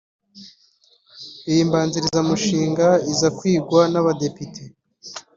Iyi mbanzirizamushinga iza kwigwa n’abadepite